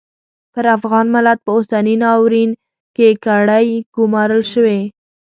پر افغان ملت په اوسني ناورین کې کړۍ ګومارل شوې.